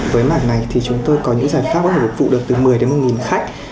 với mảng này thì chúng tôi có những giải pháp có thể phục vụ được từ một mươi đến một khách